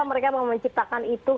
aku mencoba tensekanpensuell